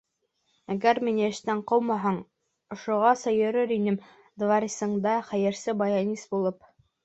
Әгәр мине эштән ҡыумаһаң, ошоғаса йөрөр инем дворецыңда хәйерсе баянист булып.